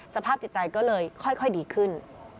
สภาพจิตใจก็เลยค่อยดีขึ้น